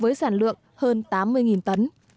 với sản lượng hơn tám mươi tấn